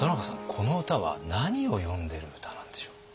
この歌は何を詠んでる歌なんでしょう？